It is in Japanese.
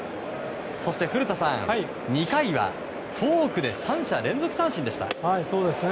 そして古田さん、２回はフォークで３者連続三振でした。